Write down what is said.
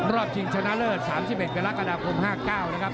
รอบชิงชนะเลิศสามสิบเอ็ดกำลังเเตาะคมห้าเก้านะครับ